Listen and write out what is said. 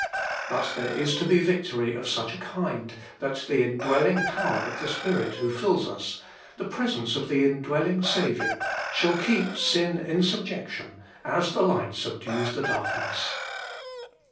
But there is to be victory of such a kind that the indwelling power of the Spirit who fills us, the presence of 52 THE FULL BLESSING OF PENTECOST the indwelling Saviour, shall keep sin in sub jection, as the light subdues the darkness.